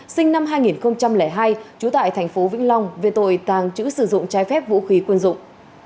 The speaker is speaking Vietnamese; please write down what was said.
sinh năm hai nghìn hai trú tại thành phố vĩnh long về tội tàng trữ sử dụng trái phép vũ khí quân dụng